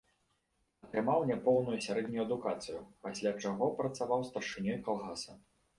Атрымаў няпоўную сярэднюю адукацыю, пасля чаго працаваў старшынёй калгаса.